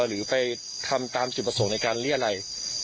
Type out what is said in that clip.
หรือไปทำตามจุดประสงค์ในการเรียรัย